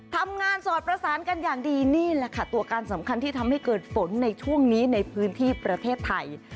สอดประสานกันอย่างดีนี่แหละค่ะตัวการสำคัญที่ทำให้เกิดฝนในช่วงนี้ในพื้นที่ประเทศไทย